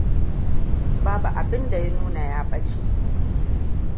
Babu abin da ya nuna ya ɓace.